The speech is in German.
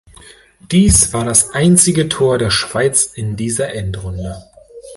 Dies war das einzige Tor der Schweiz in dieser Endrunde.